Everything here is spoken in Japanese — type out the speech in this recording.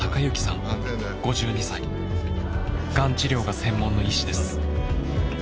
がん治療が専門の医師です。